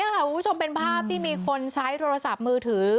คุณผู้ชมเป็นภาพที่มีคนใช้โทรศัพท์มือถือ